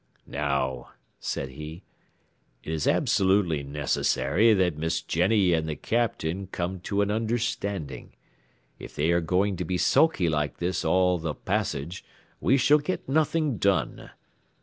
"Now," said he, "it is absolutely necessary that Miss Jenny and the Captain come to an understanding; if they are going to be sulky like this all the passage we shall get nothing done.